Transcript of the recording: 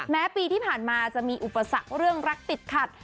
แม้ปีที่ผ่านมาจะมีอุปสรรคเรื่องรักติดขัด